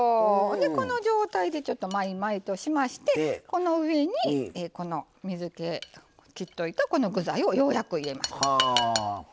この状態でちょっとまいまいとしましてこの上に水け切っておいたこの具材をようやく入れます。